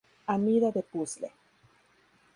Amida de Puzzle